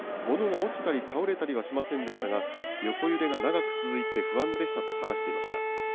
物が落ちたり、倒れたりはしませんでしたが、横揺れが長く続いて不安でしたと話していました。